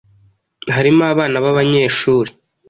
harimo abana b’abanyeshuri